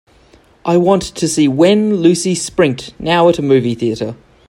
I want to see Wenn Lucy springt now at a movie theatre.